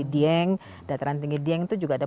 dieng dataran tinggi dieng itu juga ada